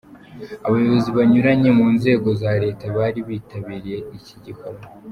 Abayobozi banyuranye mu nzego za leta bari bitabiriye iki gikorwa.